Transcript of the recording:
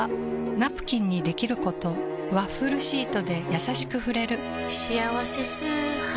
ナプキンにできることワッフルシートでやさしく触れる「しあわせ素肌」